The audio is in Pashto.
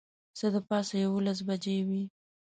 څه د پاسه یوولس بجې وې.